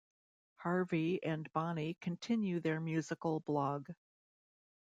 Harvey and Bonnie continue their musical blog.